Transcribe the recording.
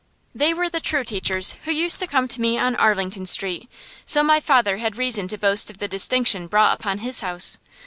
They were true teachers who used to come to me on Arlington Street, so my father had reason to boast of the distinction brought upon his house.